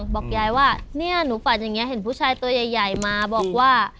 บอกยายว่าเนี่ยหนูฝันอย่างนี้เห็นผู้ชายตัวใหญ่มาบอกว่า